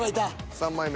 ３枚目。